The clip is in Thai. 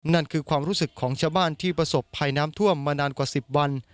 นั่นคือความรู้สึกของชาวบ้านที่ประสบภัยน้ำท่วมมานานกว่า๑๐วัน